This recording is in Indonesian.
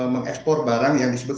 mengekspor barang yang disebut